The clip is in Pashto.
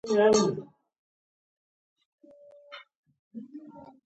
سلام ته څرې یې؟